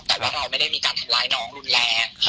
แต่ว่าเราไม่ได้มีการทำร้ายน้องรุนแรง